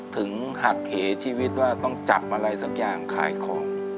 หักเหชีวิตว่าต้องจับอะไรสักอย่างขายของ